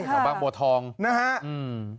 แถวบางบัวทองนะฮะอืม